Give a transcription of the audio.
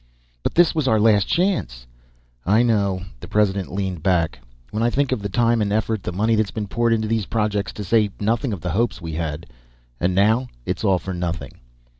"But this was our last chance " "I know." The President leaned back. "When I think of the time and effort, the money that's been poured into these projects! To say nothing of the hopes we had. And now, it's all for nothing."